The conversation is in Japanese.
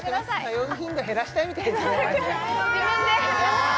通う頻度減らしたいみたいですねヤー！